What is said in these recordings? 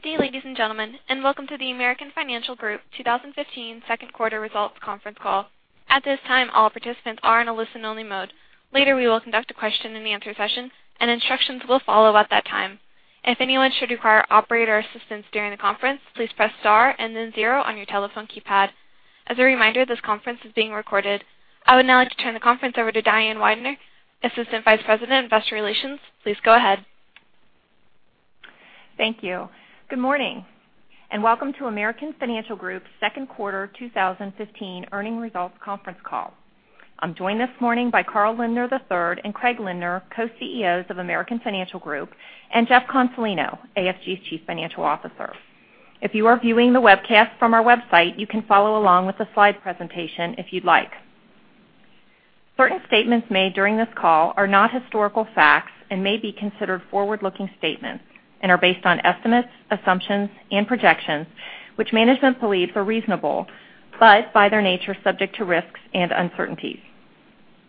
Good day, ladies and gentlemen, and welcome to the American Financial Group 2015 second quarter results conference call. At this time, all participants are in a listen only mode. Later, we will conduct a question and answer session, and instructions will follow at that time. If anyone should require operator assistance during the conference, please press star and then zero on your telephone keypad. As a reminder, this conference is being recorded. I would now like to turn the conference over to Diane Weidner, Assistant Vice President, Investor Relations. Please go ahead. Thank you. Good morning, and welcome to American Financial Group's second quarter 2015 earnings results conference call. I'm joined this morning by Carl Lindner III and Craig Lindner, Co-CEOs of American Financial Group, and Jeff Consolino, AFG's Chief Financial Officer. If you are viewing the webcast from our website, you can follow along with the slide presentation if you'd like. Certain statements made during this call are not historical facts and may be considered forward-looking statements and are based on estimates, assumptions, and projections, which management believes are reasonable, but by their nature, subject to risks and uncertainties.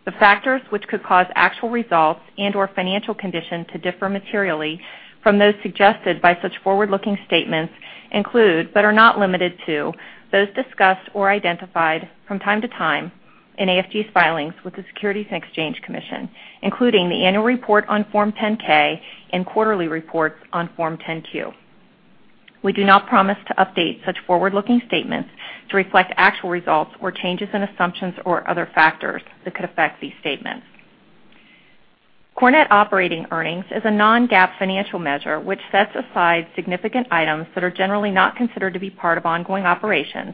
The factors which could cause actual results and/or financial conditions to differ materially from those suggested by such forward-looking statements include, but are not limited to, those discussed or identified from time to time in AFG's filings with the Securities and Exchange Commission, including the annual report on Form 10-K and quarterly reports on Form 10-Q. We do not promise to update such forward-looking statements to reflect actual results or changes in assumptions or other factors that could affect these statements. Core net operating earnings is a non-GAAP financial measure which sets aside significant items that are generally not considered to be part of ongoing operations,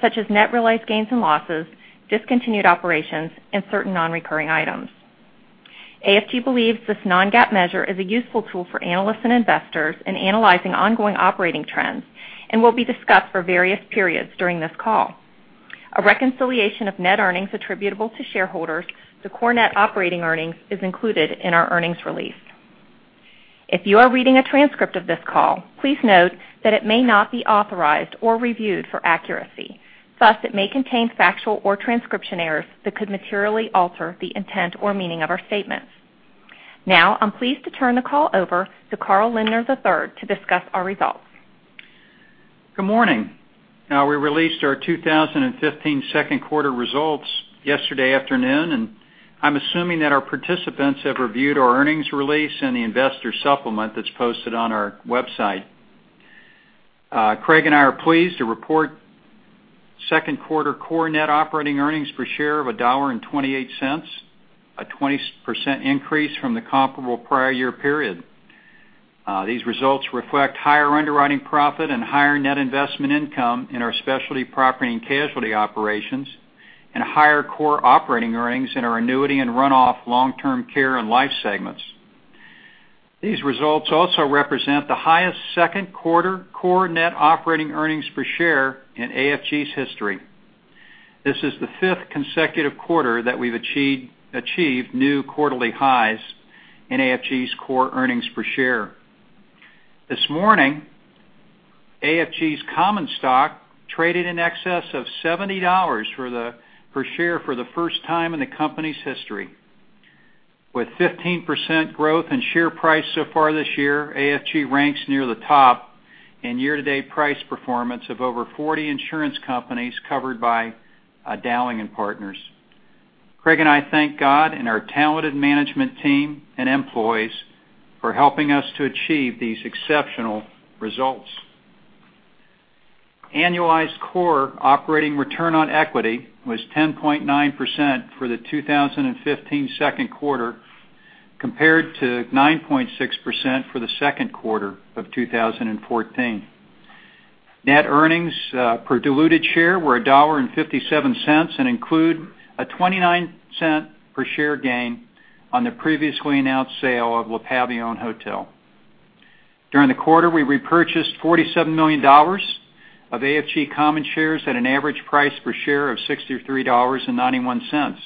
such as net realized gains and losses, discontinued operations, and certain non-recurring items. AFG believes this non-GAAP measure is a useful tool for analysts and investors in analyzing ongoing operating trends and will be discussed for various periods during this call. A reconciliation of net earnings attributable to shareholders to Core net operating earnings is included in our earnings release. If you are reading a transcript of this call, please note that it may not be authorized or reviewed for accuracy. Thus, it may contain factual or transcription errors that could materially alter the intent or meaning of our statements. I'm pleased to turn the call over to Carl Lindner III to discuss our results. Good morning. We released our 2015 second quarter results yesterday afternoon, and I'm assuming that our participants have reviewed our earnings release and the investor supplement that's posted on our website. Craig and I are pleased to report second quarter core net operating earnings per share of $1.28, a 20% increase from the comparable prior year period. These results reflect higher underwriting profit and higher net investment income in our specialty property and casualty operations, and higher core operating earnings in our annuity and runoff long-term care and life segments. These results also represent the highest second quarter core net operating earnings per share in AFG's history. This is the fifth consecutive quarter that we've achieved new quarterly highs in AFG's core earnings per share. This morning, AFG's common stock traded in excess of $70 per share for the first time in the company's history. With 15% growth in share price so far this year, AFG ranks near the top in year-to-date price performance of over 40 insurance companies covered by Dowling & Partners. Craig and I thank God and our talented management team and employees for helping us to achieve these exceptional results. Annualized core operating return on equity was 10.9% for the 2015 second quarter, compared to 9.6% for the second quarter of 2014. Net earnings per diluted share were $1.57 and include a $0.29 per share gain on the previously announced sale of Le Pavillon Hotel. During the quarter, we repurchased $47 million of AFG common shares at an average price per share of $63.91.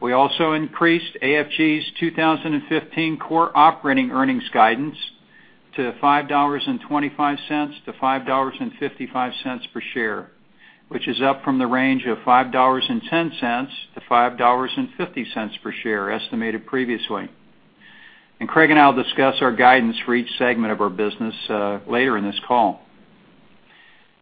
We also increased AFG's 2015 core operating earnings guidance to $5.25-$5.55 per share, which is up from the range of $5.10-$5.50 per share estimated previously. Craig and I'll discuss our guidance for each segment of our business later in this call.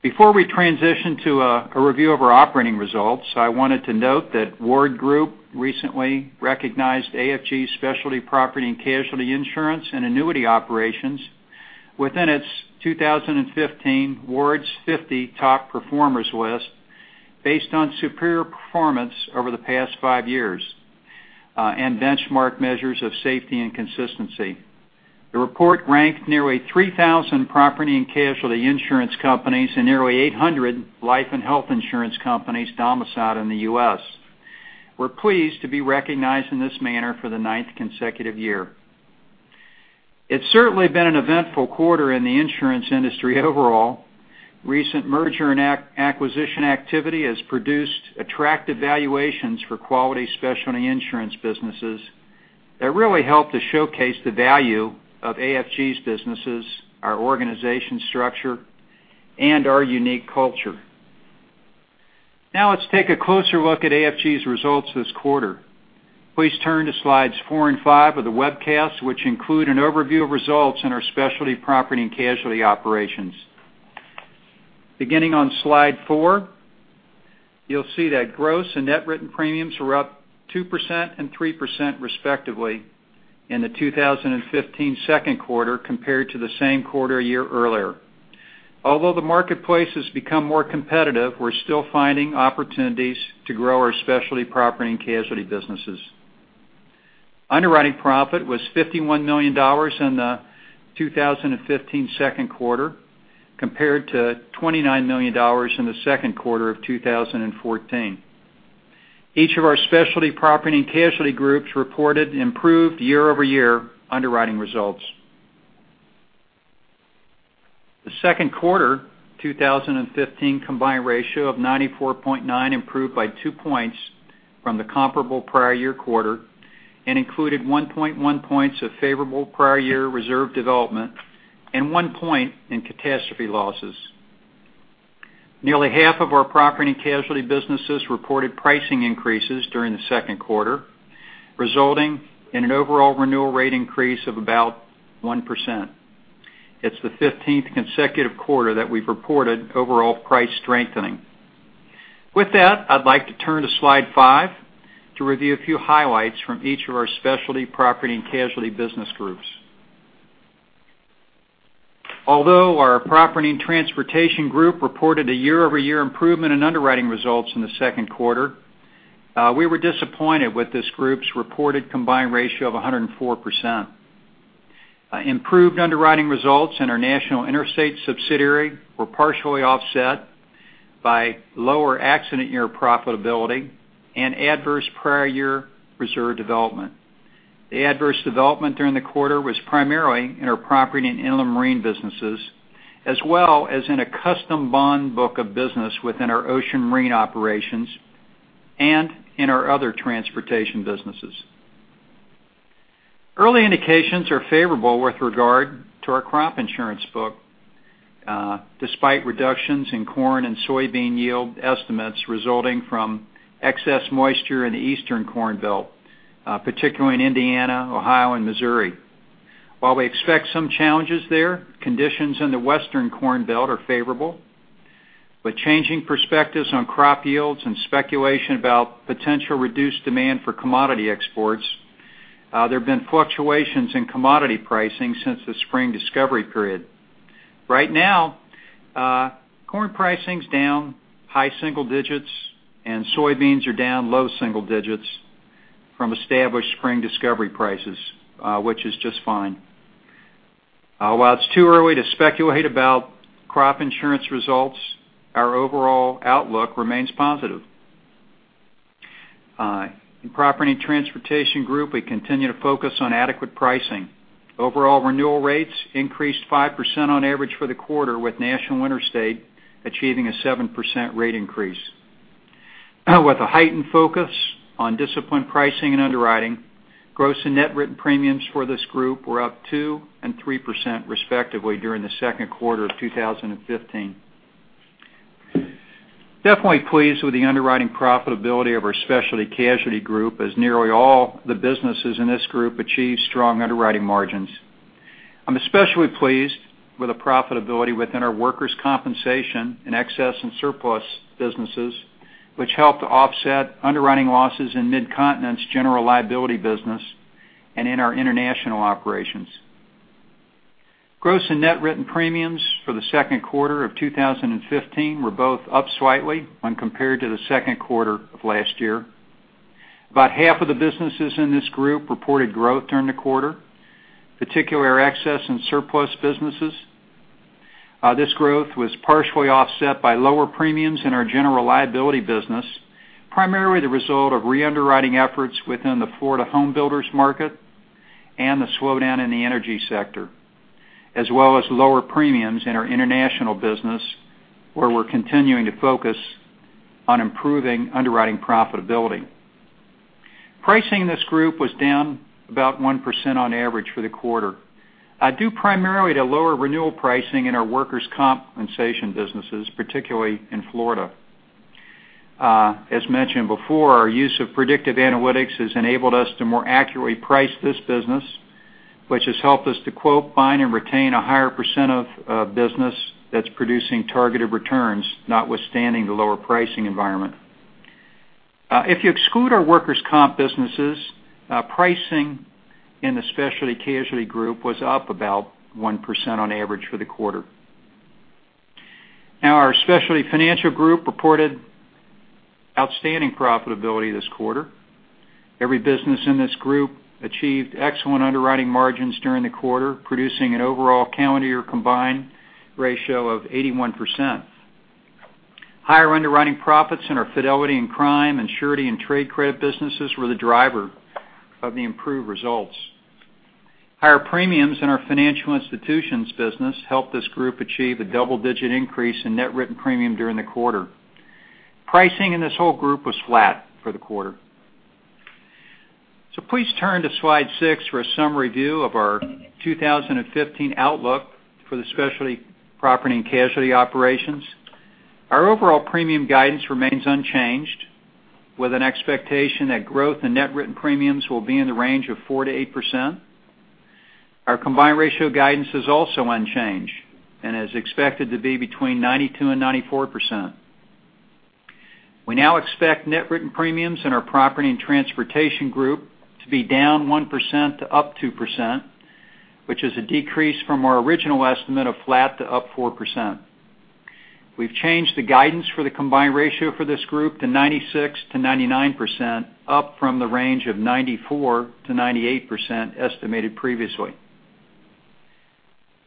Before we transition to a review of our operating results, I wanted to note that Ward Group recently recognized AFG's specialty property and casualty insurance and annuity operations within its 2015 Ward's 50 top performers list based on superior performance over the past five years and benchmark measures of safety and consistency. The report ranked nearly 3,000 property and casualty insurance companies and nearly 800 life and health insurance companies domiciled in the U.S. We're pleased to be recognized in this manner for the ninth consecutive year. It's certainly been an eventful quarter in the insurance industry overall. Recent merger and acquisition activity has produced attractive valuations for quality specialty insurance businesses that really help to showcase the value of AFG's businesses, our organization structure, and our unique culture. Let's take a closer look at AFG's results this quarter. Please turn to slides four and five of the webcast, which include an overview of results in our Specialty Property and Casualty operations. Beginning on slide four, you'll see that gross and net written premiums were up 2% and 3% respectively in the 2015 second quarter compared to the same quarter a year earlier. Although the marketplace has become more competitive, we're still finding opportunities to grow our Specialty Property and Casualty businesses. Underwriting profit was $51 million in the 2015 second quarter, compared to $29 million in the second quarter of 2014. Each of our Specialty Property and Casualty groups reported improved year-over-year underwriting results. The second quarter 2015 combined ratio of 94.9 improved by two points from the comparable prior year quarter and included 1.1 points of favorable prior year reserve development and one point in catastrophe losses. Nearly half of our Property and Casualty businesses reported pricing increases during the second quarter, resulting in an overall renewal rate increase of about 1%. It's the 15th consecutive quarter that we've reported overall price strengthening. With that, I'd like to turn to slide five to review a few highlights from each of our Specialty Property and Casualty business groups. Although our Property and Transportation group reported a year-over-year improvement in underwriting results in the second quarter, we were disappointed with this group's reported combined ratio of 104%. Improved underwriting results in our National Interstate subsidiary were partially offset by lower accident year profitability and adverse prior year reserve development. The adverse development during the quarter was primarily in our Property and Inland Marine businesses, as well as in a custom bond book of business within our Ocean Marine operations and in our other transportation businesses. Early indications are favorable with regard to our crop insurance book, despite reductions in corn and soybean yield estimates resulting from excess moisture in the Eastern Corn Belt, particularly in Indiana, Ohio and Missouri. We expect some challenges there, conditions in the Western Corn Belt are favorable. With changing perspectives on crop yields and speculation about potential reduced demand for commodity exports, there have been fluctuations in commodity pricing since the spring discovery period. Right now, corn pricing is down high single digits and soybeans are down low single digits from established spring discovery prices, which is just fine. It's too early to speculate about crop insurance results, our overall outlook remains positive. In Property and Transportation group, we continue to focus on adequate pricing. Overall renewal rates increased 5% on average for the quarter, with National Interstate achieving a 7% rate increase. With a heightened focus on disciplined pricing and underwriting, gross and net written premiums for this group were up 2% and 3% respectively during the second quarter of 2015. Definitely pleased with the underwriting profitability of our Specialty Casualty group as nearly all the businesses in this group achieved strong underwriting margins. I'm especially pleased with the profitability within our workers' compensation in excess and surplus businesses, which helped to offset underwriting losses in Mid-Continent's general liability business and in our international operations. Gross and net written premiums for the second quarter of 2015 were both up slightly when compared to the second quarter of last year. About half of the businesses in this group reported growth during the quarter, particularly our excess and surplus businesses. This growth was partially offset by lower premiums in our general liability business, primarily the result of re-underwriting efforts within the Florida home builders market and the slowdown in the energy sector, as well as lower premiums in our international business, where we're continuing to focus on improving underwriting profitability. Pricing in this group was down about 1% on average for the quarter, due primarily to lower renewal pricing in our workers' compensation businesses, particularly in Florida. As mentioned before, our use of predictive analytics has enabled us to more accurately price this business, which has helped us to quote, bind, and retain a higher % of business that's producing targeted returns, notwithstanding the lower pricing environment. If you exclude our workers' comp businesses, pricing in the Specialty Casualty group was up about 1% on average for the quarter. Our Specialty Financial group reported outstanding profitability this quarter. Every business in this group achieved excellent underwriting margins during the quarter, producing an overall calendar year combined ratio of 81%. Higher underwriting profits in our fidelity and crime, and surety and trade credit businesses were the driver of the improved results. Higher premiums in our financial institutions business helped this group achieve a double-digit increase in net written premium during the quarter. Pricing in this whole group was flat for the quarter. Please turn to slide six for a summary view of our 2015 outlook for the specialty property and casualty operations. Our overall premium guidance remains unchanged, with an expectation that growth in net written premiums will be in the range of 4%-8%. Our combined ratio guidance is also unchanged and is expected to be between 92% and 94%. We now expect net written premiums in our property and transportation group to be down 1% to up 2%, which is a decrease from our original estimate of flat to up 4%. We've changed the guidance for the combined ratio for this group to 96%-99%, up from the range of 94%-98% estimated previously.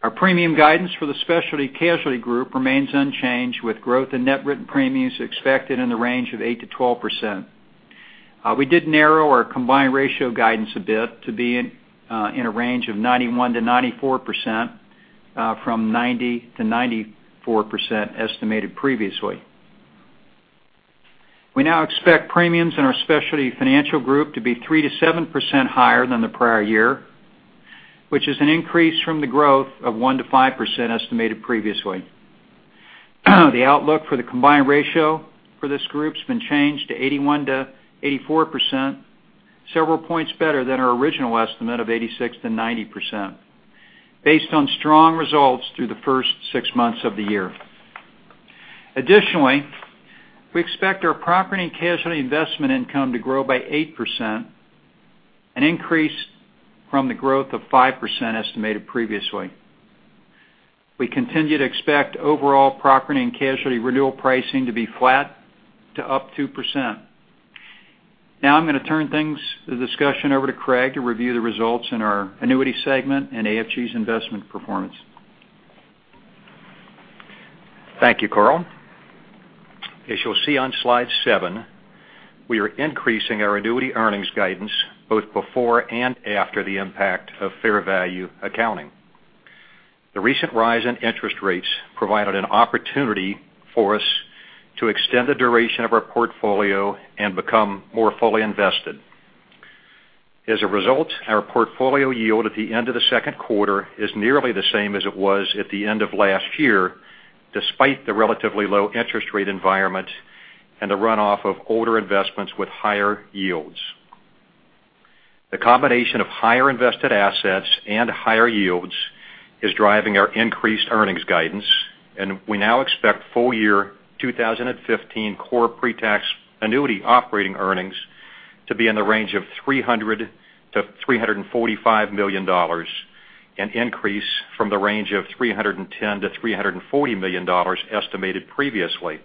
Our premium guidance for the Specialty Casualty group remains unchanged, with growth in net written premiums expected in the range of 8%-12%. We did narrow our combined ratio guidance a bit to be in a range of 91%-94%, from 90%-94% estimated previously. We now expect premiums in our Specialty Financial group to be 3%-7% higher than the prior year, which is an increase from the growth of 1%-5% estimated previously. The outlook for the combined ratio for this group has been changed to 81%-84%, several points better than our original estimate of 86%-90%, based on strong results through the first six months of the year. Additionally, we expect our property and casualty investment income to grow by 8%, an increase from the growth of 5% estimated previously. We continue to expect overall property and casualty renewal pricing to be flat to up 2%. I'm going to turn the discussion over to Craig to review the results in our annuity segment and AFG's investment performance. Thank you, Carl. As you'll see on slide seven, we are increasing our annuity earnings guidance both before and after the impact of fair value accounting. The recent rise in interest rates provided an opportunity for us to extend the duration of our portfolio and become more fully invested. As a result, our portfolio yield at the end of the second quarter is nearly the same as it was at the end of last year, despite the relatively low interest rate environment and the runoff of older investments with higher yields. The combination of higher invested assets and higher yields is driving our increased earnings guidance, and we now expect full year 2015 core pre-tax annuity operating earnings to be in the range of $300 million-$345 million, an increase from the range of $310 million-$340 million estimated previously.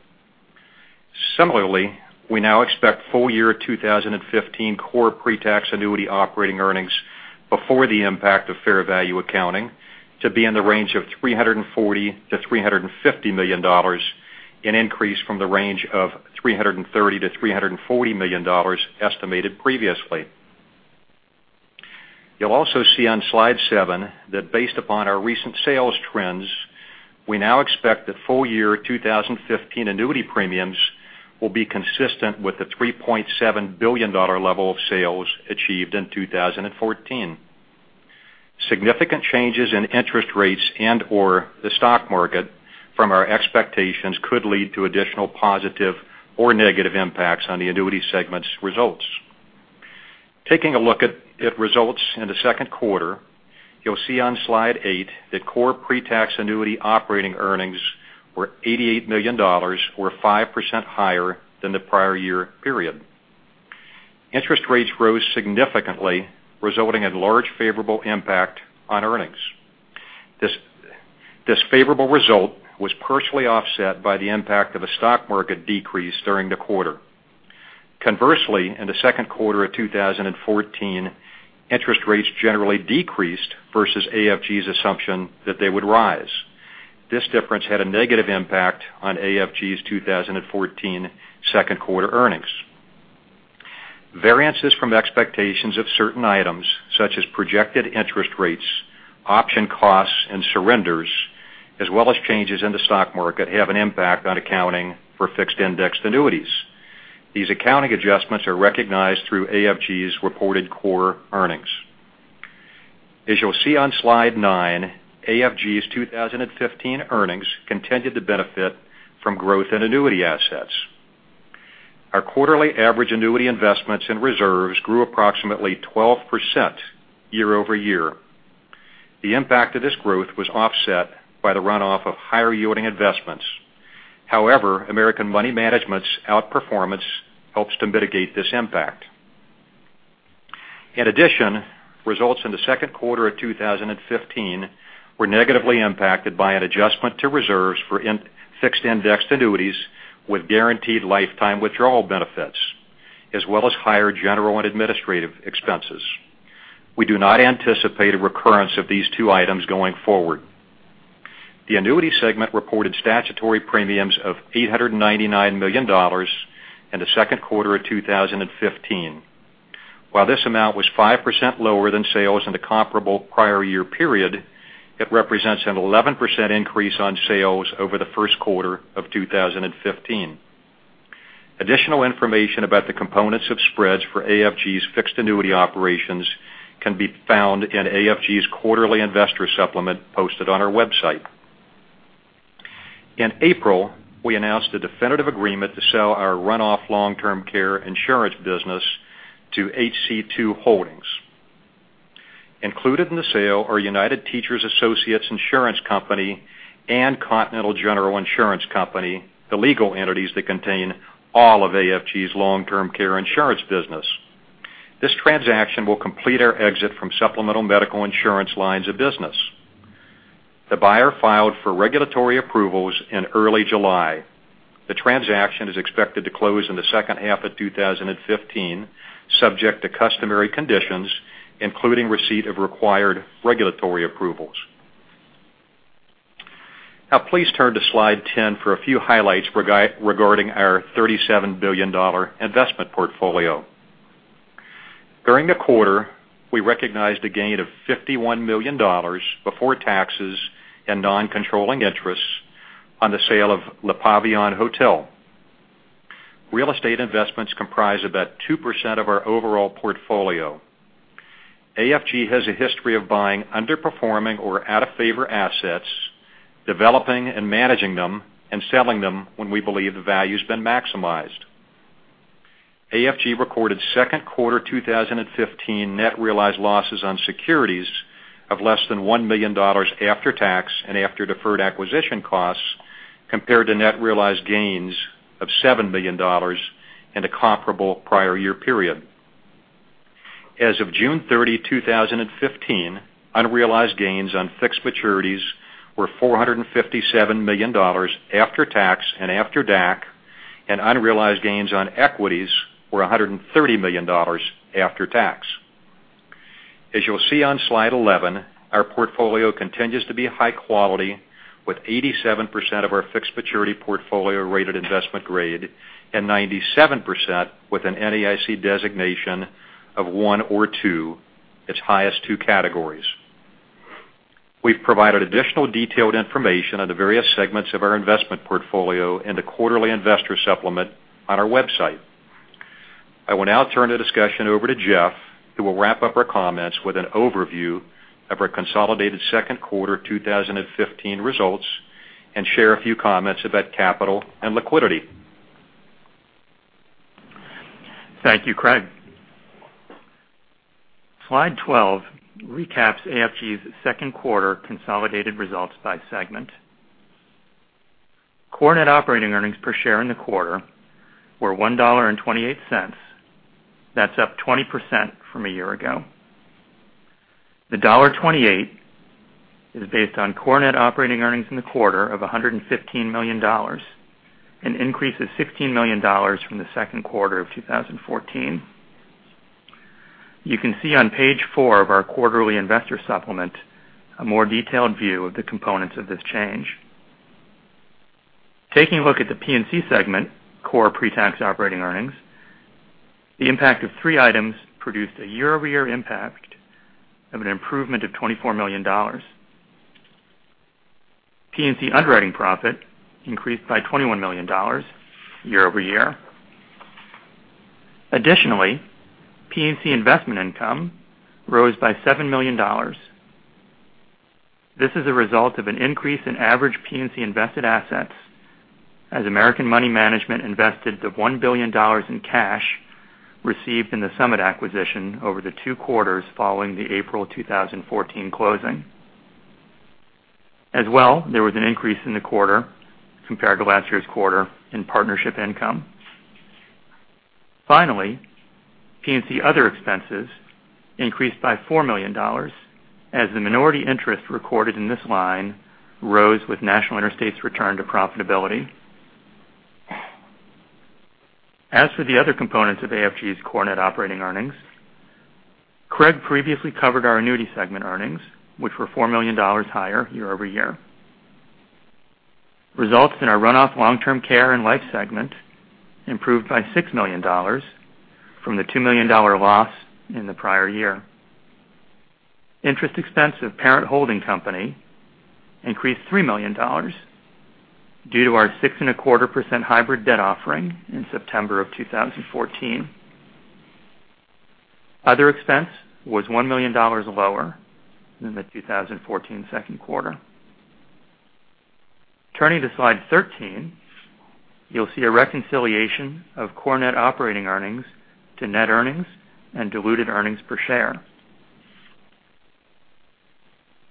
We now expect full year 2015 core pre-tax annuity operating earnings before the impact of fair value accounting to be in the range of $340 million-$350 million, an increase from the range of $330 million-$340 million estimated previously. You'll also see on slide seven that based upon our recent sales trends, we now expect that full year 2015 annuity premiums will be consistent with the $3.7 billion level of sales achieved in 2014. Significant changes in interest rates and/or the stock market from our expectations could lead to additional positive or negative impacts on the annuity segment's results. Taking a look at results in the second quarter, you'll see on slide eight that core pre-tax annuity operating earnings were $88 million, or 5% higher than the prior year period. Interest rates rose significantly, resulting in large favorable impact on earnings. This favorable result was partially offset by the impact of a stock market decrease during the quarter. In the second quarter of 2014, interest rates generally decreased versus AFG's assumption that they would rise. This difference had a negative impact on AFG's 2014 second quarter earnings. Variances from expectations of certain items, such as projected interest rates, option costs, and surrenders, as well as changes in the stock market, have an impact on accounting for fixed-indexed annuities. These accounting adjustments are recognized through AFG's reported core earnings. As you'll see on slide nine, AFG's 2015 earnings continued to benefit from growth in annuity assets. Our quarterly average annuity investments in reserves grew approximately 12% year-over-year. The impact of this growth was offset by the runoff of higher-yielding investments. American Money Management's outperformance helps to mitigate this impact. Results in the second quarter of 2015 were negatively impacted by an adjustment to reserves for fixed-indexed annuities with guaranteed lifetime withdrawal benefits, as well as higher general and administrative expenses. We do not anticipate a recurrence of these two items going forward. The annuity segment reported statutory premiums of $899 million in the second quarter of 2015. While this amount was 5% lower than sales in the comparable prior year period, it represents an 11% increase on sales over the first quarter of 2015. Additional information about the components of spreads for AFG's fixed annuity operations can be found in AFG's quarterly investor supplement posted on our website. In April, we announced a definitive agreement to sell our runoff long-term care insurance business to HC2 Holdings. Included in the sale are United Teacher Associates Insurance Company and Continental General Insurance Company, the legal entities that contain all of AFG's long-term care insurance business. This transaction will complete our exit from supplemental medical insurance lines of business. The buyer filed for regulatory approvals in early July. The transaction is expected to close in the second half of 2015, subject to customary conditions, including receipt of required regulatory approvals. Now please turn to Slide 10 for a few highlights regarding our $37 billion investment portfolio. During the quarter, we recognized a gain of $51 million before taxes and non-controlling interests on the sale of Le Pavillon Hotel. Real estate investments comprise about 2% of our overall portfolio. AFG has a history of buying underperforming or out-of-favor assets, developing and managing them, and selling them when we believe the value's been maximized. AFG recorded second quarter 2015 net realized losses on securities of less than $1 million after tax and after deferred acquisition costs, compared to net realized gains of $7 million in the comparable prior year period. As of June 30, 2015, unrealized gains on fixed maturities were $457 million after tax and after DAC, and unrealized gains on equities were $130 million after tax. As you'll see on Slide 11, our portfolio continues to be high quality, with 87% of our fixed maturity portfolio rated investment-grade, and 97% with an NAIC designation of 1 or 2, its highest two categories. We've provided additional detailed information on the various segments of our investment portfolio in the quarterly investor supplement on our website. I will now turn the discussion over to Jeff, who will wrap up our comments with an overview of our consolidated second quarter 2015 results and share a few comments about capital and liquidity. Thank you, Craig. Slide 12 recaps AFG's second quarter consolidated results by segment. Core net operating earnings per share in the quarter were $1.28. That's up 20% from a year ago. The $1.28 is based on core net operating earnings in the quarter of $115 million, an increase of $16 million from the second quarter of 2014. You can see on page four of our quarterly investor supplement a more detailed view of the components of this change. Taking a look at the P&C segment, core pre-tax operating earnings, the impact of three items produced a year-over-year impact of an improvement of $24 million. P&C underwriting profit increased by $21 million year-over-year. Additionally, P&C investment income rose by $7 million. This is a result of an increase in average P&C invested assets as American Money Management invested the $1 billion in cash received in the Summit acquisition over the two quarters following the April 2014 closing. As well, there was an increase in the quarter compared to last year's quarter in partnership income. Finally, P&C other expenses increased by $4 million as the minority interest recorded in this line rose with National Interstate's return to profitability. As for the other components of AFG's core net operating earnings, Craig previously covered our annuity segment earnings, which were $4 million higher year-over-year. Results in our runoff long-term care and life segment improved by $6 million from the $2 million loss in the prior year. Interest expense of parent holding company increased $3 million due to our 6.25% hybrid debt offering in September of 2014. Other expense was $1 million lower than the 2014 second quarter. Turning to Slide 13, you'll see a reconciliation of core net operating earnings to net earnings and diluted earnings per share.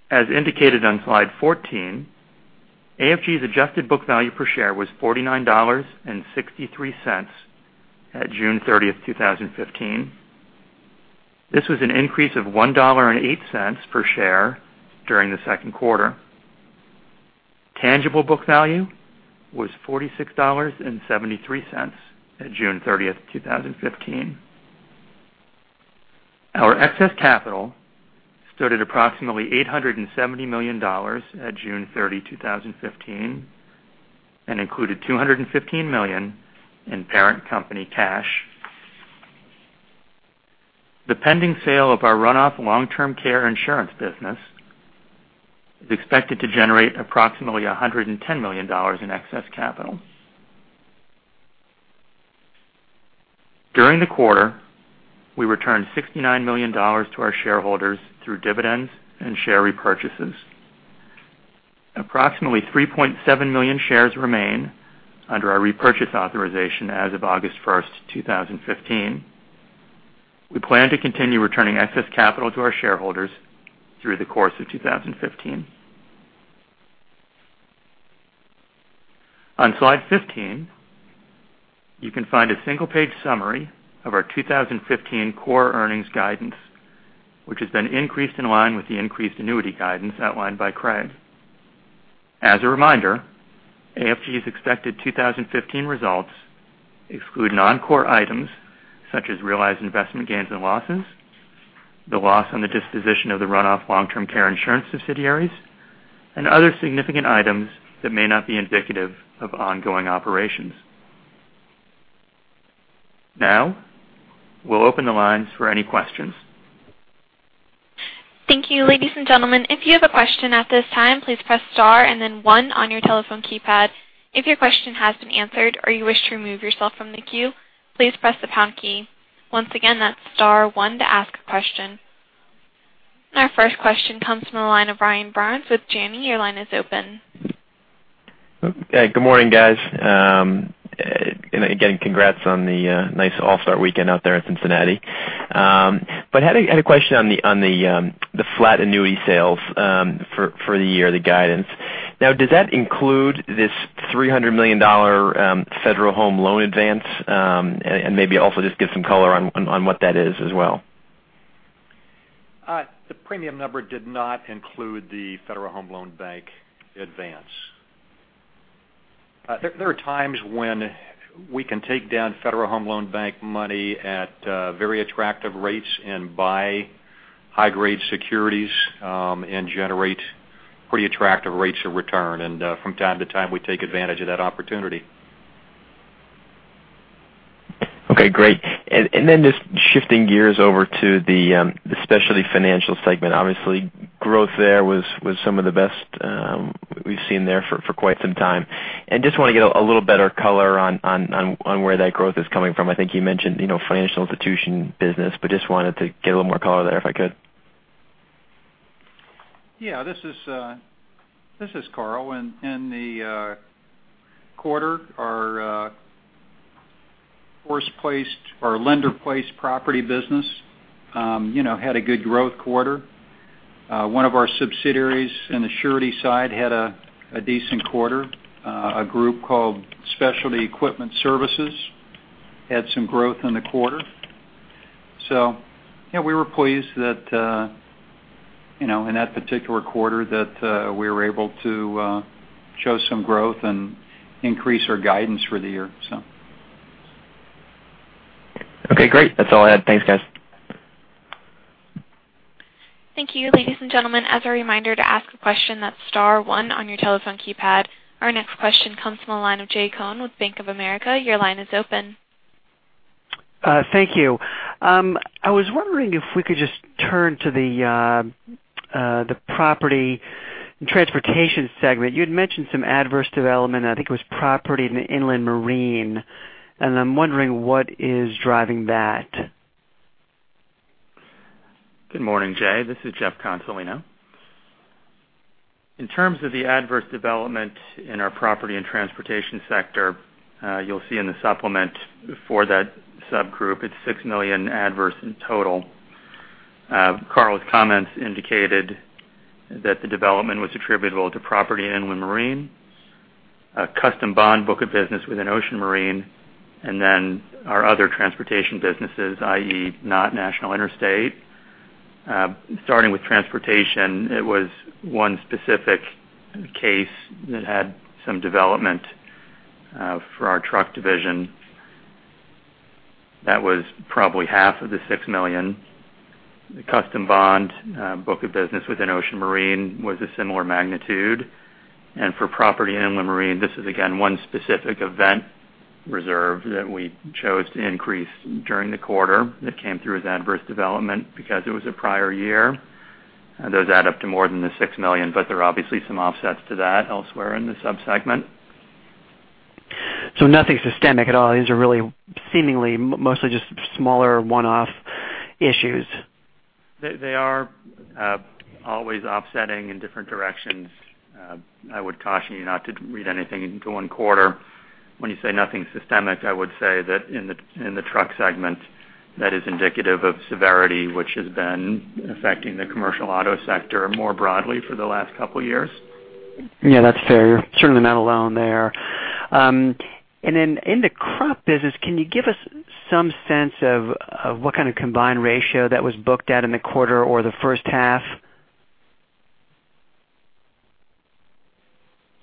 As indicated on Slide 14, AFG's adjusted book value per share was $49.63 at June 30, 2015. This was an increase of $1.08 per share during the second quarter. Tangible book value was $46.73 at June 30, 2015. Our excess capital stood at approximately $870 million at June 30, 2015, and included $215 million in parent company cash. The pending sale of our runoff long-term care insurance business is expected to generate approximately $110 million in excess capital. During the quarter, we returned $69 million to our shareholders through dividends and share repurchases. Approximately 3.7 million shares remain under our repurchase authorization as of August 1st, 2015. We plan to continue returning excess capital to our shareholders through the course of 2015. On slide 15, you can find a single-page summary of our 2015 Core Earnings guidance, which has been increased in line with the increased annuity guidance outlined by Craig. As a reminder, AFG's expected 2015 results exclude non-core items such as realized investment gains and losses, the loss on the disposition of the runoff long-term care insurance subsidiaries, and other significant items that may not be indicative of ongoing operations. We'll open the lines for any questions. Thank you. Ladies and gentlemen, if you have a question at this time, please press star and then one on your telephone keypad. If your question has been answered or you wish to remove yourself from the queue, please press the pound key. Once again, that's star one to ask a question. Our first question comes from the line of Brian Barnes with Janney. Your line is open. Good morning, guys. Again, congrats on the nice all-star weekend out there in Cincinnati. I had a question on the flat annuity sales for the year, the guidance. Does that include this $300 million Federal Home Loan advance? Maybe also just give some color on what that is as well. The premium number did not include the Federal Home Loan Bank advance. There are times when we can take down Federal Home Loan Bank money at very attractive rates and buy high-grade securities, and generate pretty attractive rates of return. From time to time, we take advantage of that opportunity. Okay, great. Just shifting gears over to the specialty financial segment. Obviously, growth there was some of the best we've seen there for quite some time. Just want to get a little better color on where that growth is coming from. I think you mentioned financial institution business, but just wanted to get a little more color there if I could. Yeah. This is Carl. In the quarter, our lender-placed property business had a good growth quarter. One of our subsidiaries in the surety side had a decent quarter. A group called Specialty Equipment Services had some growth in the quarter. Yeah, we were pleased that, in that particular quarter, that we were able to show some growth and increase our guidance for the year. Okay, great. That's all I had. Thanks, guys. Thank you. Ladies and gentlemen, as a reminder to ask a question, that's star one on your telephone keypad. Our next question comes from the line of Jay Cohen with Bank of America. Your line is open. Thank you. I was wondering if we could just turn to the property and transportation segment. You had mentioned some adverse development, and I think it was property in the inland marine, and I'm wondering what is driving that. Good morning, Jay. This is Jeff Consolino. In terms of the adverse development in our property and transportation sector, you'll see in the supplement for that subgroup, it's $6 million adverse in total. Carl's comments indicated that the development was attributable to property inland marine, a custom bond book of business within ocean marine, and then our other transportation businesses, i.e., not National Interstate. Starting with transportation, it was one specific case that had some development for our truck division. That was probably half of the $6 million. The custom bond book of business within ocean marine was a similar magnitude. For property inland marine, this is again one specific event reserve that we chose to increase during the quarter that came through as adverse development because it was a prior year. Those add up to more than the $6 million, but there are obviously some offsets to that elsewhere in the sub-segment. Nothing systemic at all. These are really seemingly mostly just smaller one-off issues. They are always offsetting in different directions. I would caution you not to read anything into one quarter. When you say nothing systemic, I would say that in the truck segment, that is indicative of severity, which has been affecting the commercial auto sector more broadly for the last couple of years. Yeah, that's fair. You're certainly not alone there. In the crop business, can you give us some sense of what kind of combined ratio that was booked at in the quarter or the first half?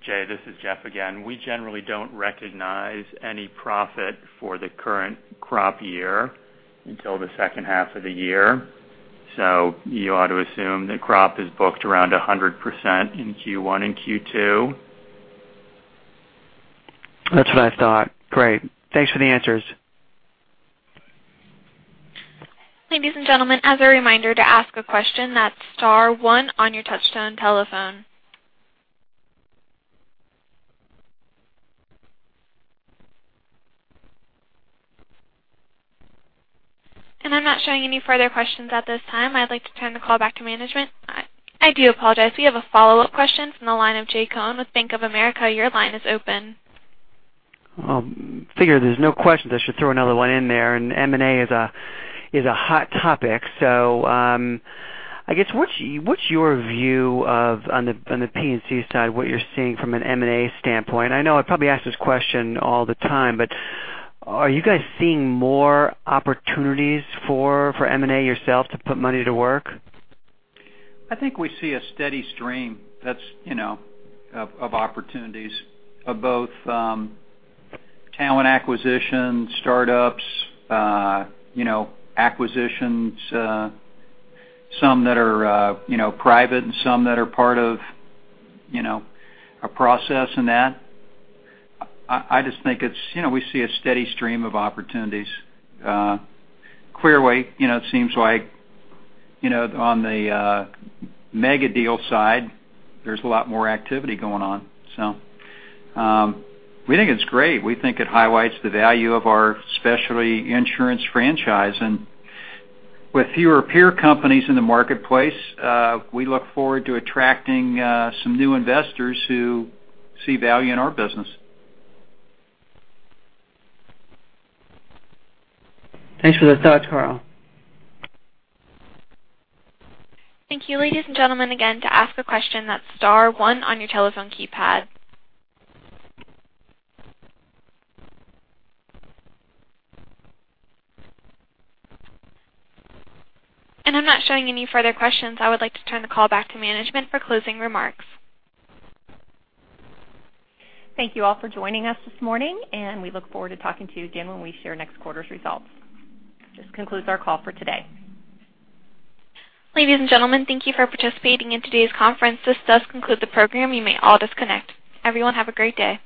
Jay, this is Jeff again. We generally don't recognize any profit for the current crop year until the second half of the year. You ought to assume that crop is booked around 100% in Q1 and Q2. That's what I thought. Great. Thanks for the answers. Ladies and gentlemen, as a reminder, to ask a question, that's star one on your touch-tone telephone. I'm not showing any further questions at this time. I'd like to turn the call back to management. I do apologize. We have a follow-up question from the line of Jay Cohen with Bank of America. Your line is open. I figure there's no questions, I should throw another one in there. M&A is a hot topic. I guess, what's your view of, on the P&C side, what you're seeing from an M&A standpoint? I know I probably ask this question all the time, are you guys seeing more opportunities for M&A yourself to put money to work? I think we see a steady stream of opportunities of both talent acquisition, startups, acquisitions, some that are private and some that are part of a process in that. I just think we see a steady stream of opportunities. Clearly, it seems like on the mega-deal side, there's a lot more activity going on. We think it's great. We think it highlights the value of our specialty insurance franchise. With fewer peer companies in the marketplace, we look forward to attracting some new investors who see value in our business. Thanks for the thought, Carl. Thank you. Ladies and gentlemen, again, to ask a question, that's star one on your telephone keypad. I'm not showing any further questions. I would like to turn the call back to management for closing remarks. Thank you all for joining us this morning. We look forward to talking to you again when we share next quarter's results. This concludes our call for today. Ladies and gentlemen, thank you for participating in today's conference. This does conclude the program. You may all disconnect. Everyone have a great day.